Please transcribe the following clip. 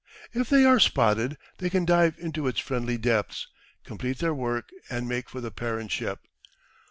If they are "spotted" they can dive into its friendly depths, complete their work, and make for the parent ship.